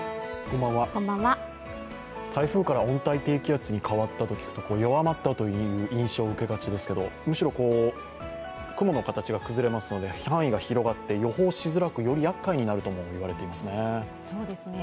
台風から温帯低気圧に変わったと聞くと弱まったという印象を受けがちですがむしろ雲の形が崩れますので範囲が広がって予報しづらくよりやっかいだと言われますね。